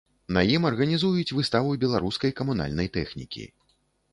На ім арганізуюць выставу беларускай камунальнай тэхнікі.